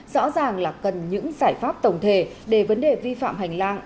rõ ràng là cần những giải pháp tổng thể để vấn đề vi phạm hành lang